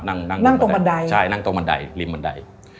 นั่งนั่งตรงบันไดใช่นั่งตรงบันไดริมบันได